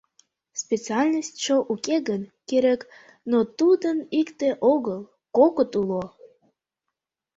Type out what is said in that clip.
— Специальностьшо уке гын, керек, но тудын икте огыл, кокыт уло!